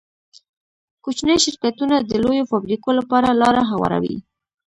کوچني شرکتونه د لویو فابریکو لپاره لاره هواروي.